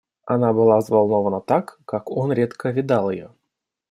Она была взволнована так, как он редко видал ее.